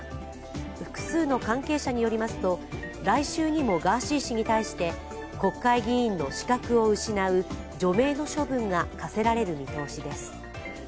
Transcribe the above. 複数の関係者によりますと来週にもガーシー氏に対して国会議員の資格を失う除名の処分が科せられる見通しです。